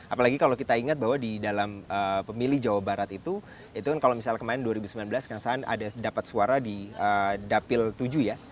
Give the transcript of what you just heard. apalagi kalau kita ingat bahwa di dalam pemilih jawa barat itu itu kan kalau misalnya kemarin dua ribu sembilan belas kang saan ada dapat suara di dapil tujuh ya